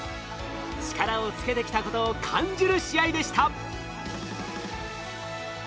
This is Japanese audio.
力をつけてきたことを感じる試合でした。